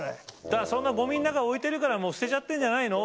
だからそんなゴミの中に置いてるからもう捨てちゃってんじゃないの？